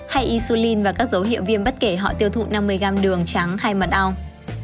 hay isulin và các dấu hiệu viêm bất kể họ tiêu thụ năm mươi gram đường trắng hay mật ong